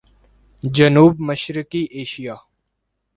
جنوب مشرقی ایشیا